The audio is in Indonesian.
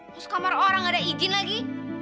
masuk kamar orang gak ada izin lagi